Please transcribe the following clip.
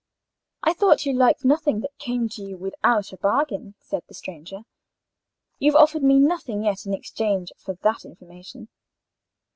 "I thought you liked nothing that came to you without a bargain," said the stranger. "You've offered me nothing yet in exchange for that information."